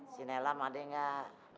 si nella ada gak